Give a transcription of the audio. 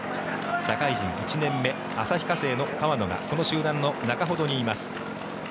社会人１年目旭化成の川野がこの集団の中ほどにいます。